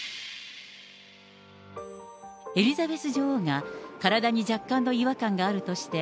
エリザベス女王が、体に若干の違和感があるとして、